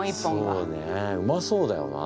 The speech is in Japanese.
そうねうまそうだよな